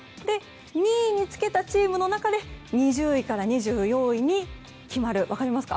２位につけたチームの中で２０位から２４位に決まる分かりますか？